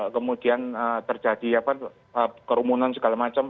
kemudian terjadi kerumunan segala macam